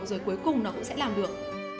rồi cuối cùng nó cũng sẽ làm được